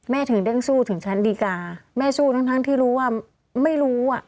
ถึงได้สู้ถึงชั้นดีกาแม่สู้ทั้งที่รู้ว่าไม่รู้อ่ะ